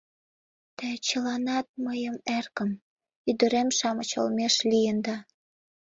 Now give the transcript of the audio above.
Те чыланат мыйым эргым, ӱдырем-шамыч олмеш лийында.